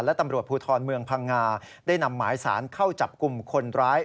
และตำรวจภูทรเมืองพังงาได้นำหมายสารเข้าจับกลุ่มคนร้าย